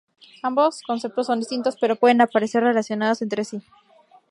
Ambos conceptos son distintos, pero pueden aparecer relacionados entre sí.